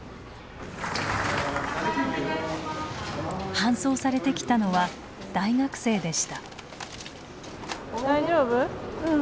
搬送されてきたのは大学生でした。